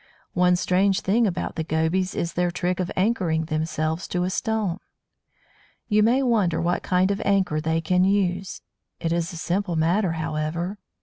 One strange thing about the Gobies is their trick of anchoring themselves to a stone. You may wonder what kind of anchor they can use. It is a simple matter, however.